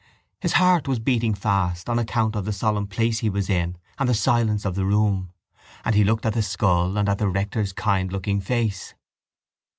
His heart was beating fast on account of the solemn place he was in and the silence of the room: and he looked at the skull and at the rector's kind looking face.